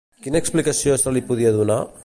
Quina explicació se li podia donar?